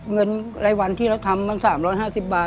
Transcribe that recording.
เงินรายวันที่เราทำมัน๓๕๐บาท